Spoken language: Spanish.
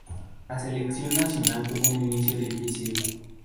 La selección nacional tuvo un inicio difícil.